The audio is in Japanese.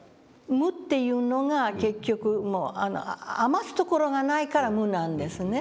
無っていうのが結局もう余すところがないから無なんですね。